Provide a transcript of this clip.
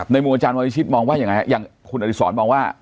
มุมอาจารย์วรวิชิตมองว่ายังไงฮะอย่างคุณอดิษรมองว่า